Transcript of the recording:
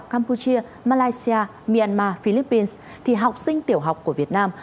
campuchia malaysia myanmar philippines thì học sinh tiểu học của việt nam